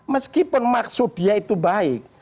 meskipun maksud dia itu baik